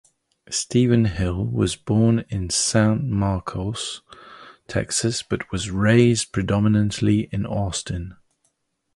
Steven Hill was born in San Marcos, Texas, but was raised predominantly in Austin.